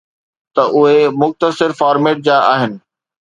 ته اهي مختصر فارميٽ جا آهن